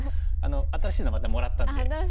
新しいのまたもらったんですね。